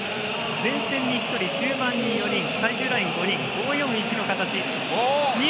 前線に１人、中盤に４人最終ライン５人、５−４−１の形。